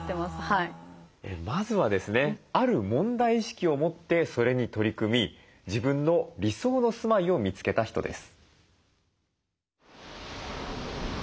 まずはですねある問題意識を持ってそれに取り組み自分の理想の住まいを見つけた人です。